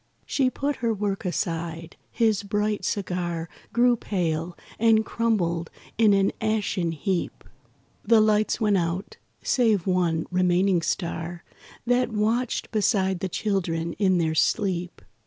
She put her work aside; his bright cigar Grew pale, and crumbled in an ashen heap. The lights went out, save one remaining star That watched beside the children in their sleep.